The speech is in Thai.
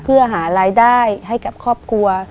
เพื่อหารายได้ให้กับครอบครัว